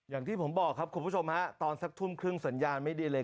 อย่างที่ผมบอกครับคุณผู้ชมฮะตอนสักทุ่มครึ่งสัญญาณไม่ดีเลย